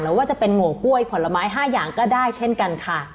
ว่าจะเป็นโง่กล้วยผลไม้๕อย่างก็ได้เช่นกันค่ะ